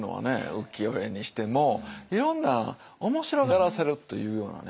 浮世絵にしてもいろんな面白がらせるというようなね。